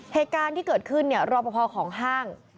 เหตุการณ์ที่เกิดขึ้นเนี่ยรอปภของห้าง